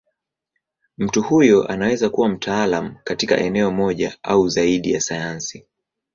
Mtu huyo anaweza kuwa mtaalamu katika eneo moja au zaidi ya sayansi.